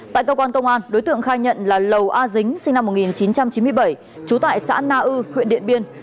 tại cơ quan công an đối tượng khai nhận là lầu a dính sinh năm một nghìn chín trăm chín mươi bảy trú tại xã na ư huyện điện biên